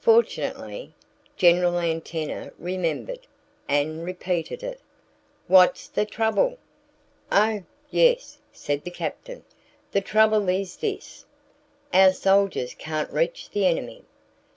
Fortunately, General Antenna remembered and repeated it. "What's the trouble?" "Oh, yes!" said the Captain. "The trouble is this: Our soldiers can't reach the enemy.